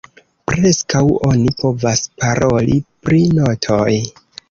Preskaŭ oni povas paroli pri notoj.